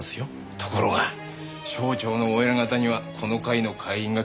ところが省庁のお偉方にはこの会の会員が結構いるのよ。